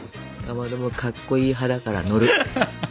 かまどもかっこいい派だから乗る。